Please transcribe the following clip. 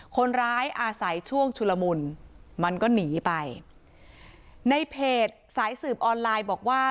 คนร้ายอาศัยช่วงชุลมุนมันก็หนีไปในเพจสายสืบออนไลน์บอกว่า